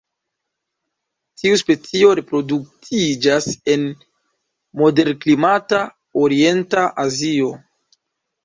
Tiu specio reproduktiĝas en moderklimata orienta Azio.